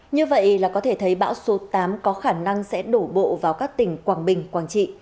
như vậy là có thể thấy bão số tám có khả năng sẽ đổ bộ vào các tỉnh quảng bình quảng trị